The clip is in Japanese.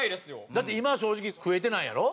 だって今は正直食えてないやろ？